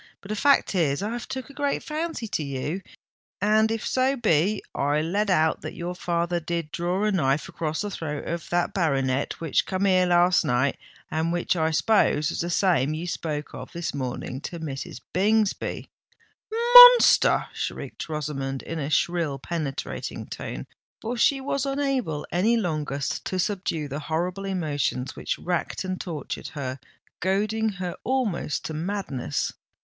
But the fact is I've took a great fancy to you: and if so be I let out that your father did draw a knife across the throat of that baronet which come here last night, and which I s'pose was the same you spoke of this morning to Mrs. Bingsby——" "Monster!" shrieked Rosamond, in a shrill, penetrating tone—for she was unable any longer to subdue the horrible emotions which racked and tortured her, goading her almost to madness.